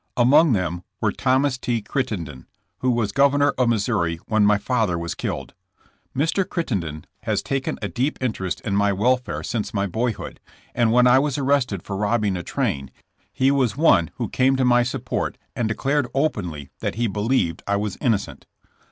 Among them were Thomas T. Crittenden, who was governor of Missouri when my father was killed. Mr. Crittenden has taken a deep interest in my welfare since my boyhood, and when I was ar rested for robbing a train he was one who came to my support and declared openly that he believed I waa innocent.